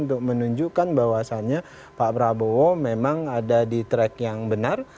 untuk menunjukkan bahwasannya pak prabowo memang ada di track yang benar